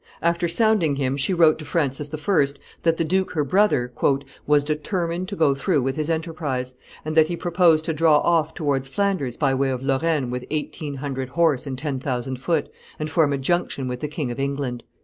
After sounding him, she wrote to Francis I. that the duke her brother "was determined to go through with his enterprise, and that he proposed to draw off towards Flanders by way of Lorraine with eighteen hundred horse and ten thousand foot, and form a junction with the King of England."